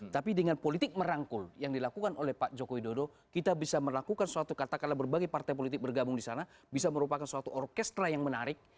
tapi dengan politik merangkul yang dilakukan oleh pak jokowi dodo kita bisa melakukan suatu katakanlah berbagai partai politik bergabung di sana bisa merupakan suatu orkestra yang menarik